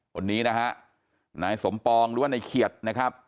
คนนี้นะฮะนายสมปองหรือว่านายเขียดนะครับ